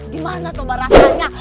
gimana tuh rasanya